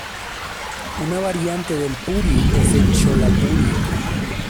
Una variante del puri es el "Chola puri".